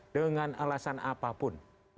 dengan alasan apapun